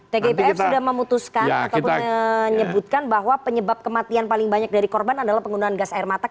tgpf sudah memutuskan ataupun menyebutkan bahwa penyebab kematian paling banyak dari korban adalah penggunaan gas air mata